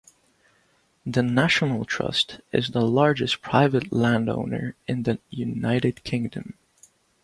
The National Trust is the largest private landowner in the United Kingdom.